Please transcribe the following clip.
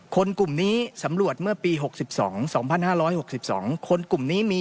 คนกลุ่มนี้สำรวจเมื่อปี๖๒